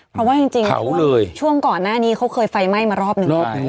เพราะว่าจริงช่วงก่อนหน้านี้เขาเคยไฟไหม้มารอบหนึ่ง